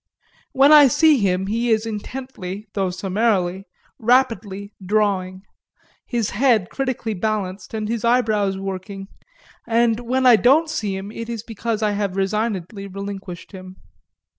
When I see him he is intently, though summarily, rapidly drawing, his head critically balanced and his eyebrows working, and when I don't see him it is because I have resignedly relinquished him.